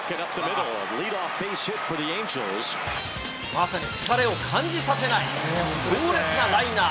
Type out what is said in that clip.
まさに疲れを感じさせない強烈なライナー。